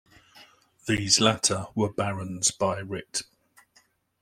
These latter were barons by writ.